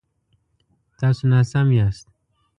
تاسو ناسم یاست